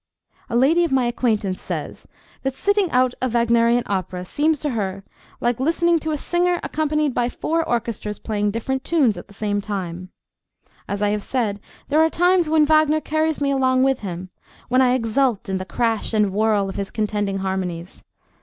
A lady of my acquaintance says that sitting out a Wagnerian opera seems to her like listening to a singer accompanied by four orchestras playing different tunes at the same time. As I have said, there are times when Wagner carries me along with him, when I exult in the crash and whirl of his contending harmonies.